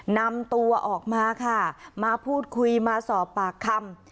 นำตัวออกมาค่ะมาพูดคุยมาสอบปากคำ